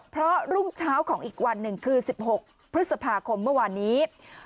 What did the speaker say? เพราะรุ่งเช้าของอีกวันหนึ่งคือ๑๖พฤษภาคมเมื่อวานนี้